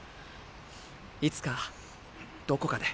いつかどこかで。